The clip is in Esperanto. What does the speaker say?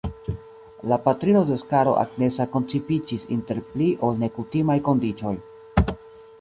La patrino de Oskaro – Agnesa – koncipiĝis inter pli ol nekutimaj kondiĉoj.